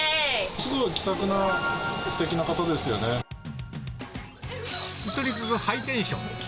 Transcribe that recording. すごい気さくな、すてきな方とにかくハイテンション。